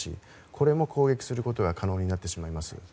これも攻撃することが可能になってしまいます。